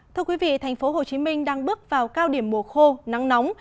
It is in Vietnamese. thưa quý vị thành phố hồ chí minh đang bước vào cao điểm mùa khô nắng nóng